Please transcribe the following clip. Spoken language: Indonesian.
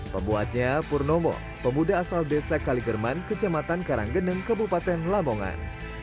pembuatnya purnomo pemuda asal desa kaligerman kecamatan karanggeneng kabupaten lamongan